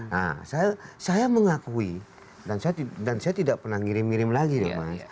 nah saya mengakui dan saya tidak pernah ngirim ngirim lagi dong mas